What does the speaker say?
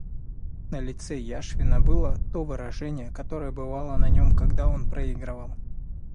На лице Яшвина было то выражение, которое бывало на нем, когда он проигрывал.